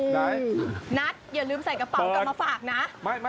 นัทอย่าลืมใส่กระเป๋ากลับมาฝากนะ